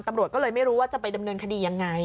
ตำรวจก็เลยไม่รู้ว่าจะไปดำเนินคดียังไง